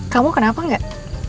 kamu kenapa gak